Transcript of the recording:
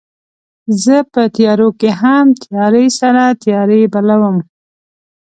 زه په تیارو کې هم تیارې سره تیارې بلوم